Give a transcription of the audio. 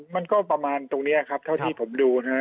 มันก็ประมาณตรงนี้ครับเท่าที่ผมดูนะฮะ